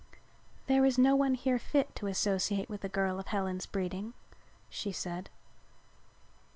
"There is no one here fit to associate with a girl of Helen's breeding," she said.